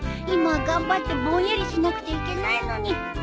今は頑張ってぼんやりしなくちゃいけないのに。